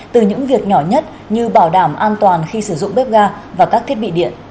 từ những việc nhỏ nhất như bảo đảm an toàn khi sử dụng bếp ga và các thiết bị điện